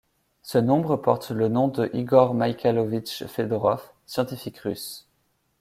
Ce nombre porte le nom de Igor Mikhailovitch Fedorov, scientifique russe.